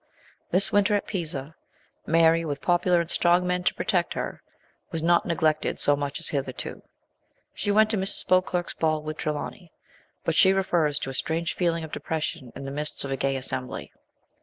This winter, at Pisa, Mary, with popular and strong men to pro tect her, was not neglected so much as hitherto. She went to Mrs. Beauclerc's ball with Trelawny ; but she refers to a strange feeling of depression in the midst of a gay assembly.